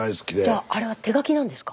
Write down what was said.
じゃああれは手書きなんですか？